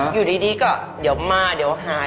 อยู่ดีก็เดี๋ยวมาเดี๋ยวหาย